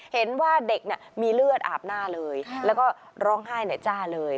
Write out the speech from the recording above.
เห็นว่าเด็กเนี่ยมีเลือดอาบหน้าเลยแล้วก็ร้องไห้จ้าเลย